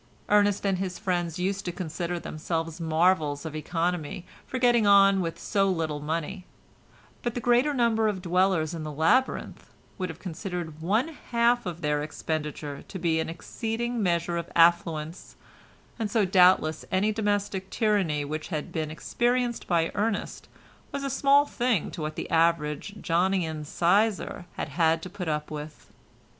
Ernest and his friends used to consider themselves marvels of economy for getting on with so little money, but the greater number of dwellers in the labyrinth would have considered one half of their expenditure to be an exceeding measure of affluence, and so doubtless any domestic tyranny which had been experienced by Ernest was a small thing to what the average Johnian sizar had had to put up with.